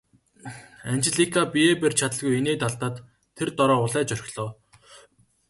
Анжелика биеэ барьж чадалгүй инээд алдаад тэр дороо улайж орхилоо.